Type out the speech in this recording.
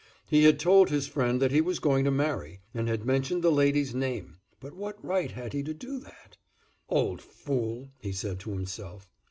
He had told his friend that he was going to marry, and had mentioned the lady's name; but what right had he to do that? "Old fool!" he said to himself.